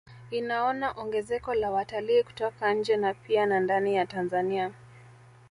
Inaona ongezeko la watalii kutoka nje na pia na ndani ya Tanzania